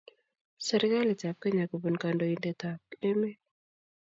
Serikalitab Kenya kobun kandoindetab emet